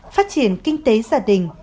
phát triển kinh tế gia đình